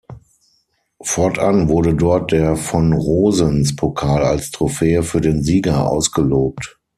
Fortan wurde dort der Von-Rosens-Pokal als Trophäe für den Sieger ausgelobt.